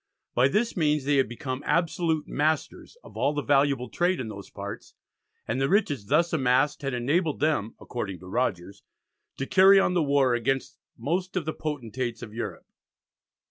By this means they had become absolute masters of all the valuable trade in those parts, and the riches thus amassed had enabled them, according to Rogers, "to carry on the war against most of the Potentates of Europe."